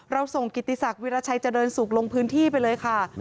ส่งกิติศักดิราชัยเจริญสุขลงพื้นที่ไปเลยค่ะ